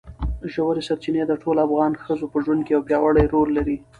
ژورې سرچینې د ټولو افغان ښځو په ژوند کې یو پیاوړی رول لري.